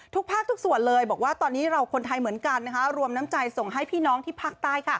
ทุกภาคทุกส่วนเลยบอกว่าตอนนี้เราคนไทยเหมือนกันรวมน้ำใจส่งให้พี่น้องที่ภาคใต้